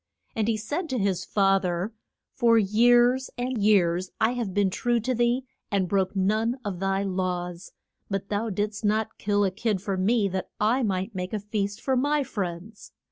And he said to his fa ther, For years and years have I been true to thee and broke none of thy laws. But thou didst not kill a kid for me that I might make a feast for my friends.